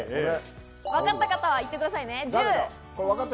わかった方は言ってくださいね。